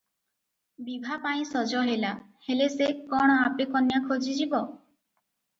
ବିଭାପାଇଁ ସଜ ହେଲା, ହେଲେ ସେ କଣ ଆପେ କନ୍ୟା ଖୋଜି ଯିବ?